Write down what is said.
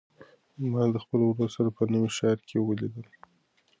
ما د خپل ورور سره په نوي ښار کې ولیدل.